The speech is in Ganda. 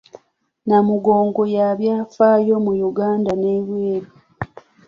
Namugongo ya byafaayo mu Yuganda n’ebweru.